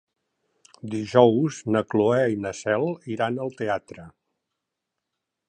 Dijous na Cloè i na Cel iran al teatre.